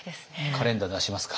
カレンダー出しますか。